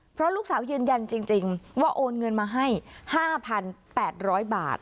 เพราะลูกสาวยืนยันจริงว่าโอนเงินมาให้๕๘๐๐บาท